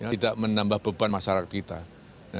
tidak menambah beban masyarakat kita